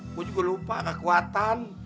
gue juga lupa kekuatan